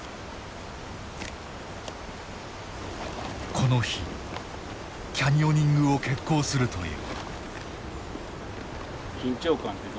この日キャニオニングを決行するという。